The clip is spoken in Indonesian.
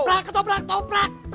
prak ketoprak ketoprak